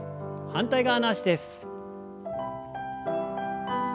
反対側の脚です。